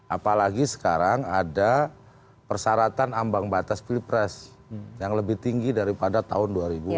apalagi sekarang ada persyaratan ambang batas pilpres yang lebih tinggi daripada tahun dua ribu empat belas